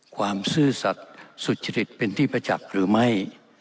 ซื่อสัตว์สุจริตเป็นที่ประจักษ์หรือไม่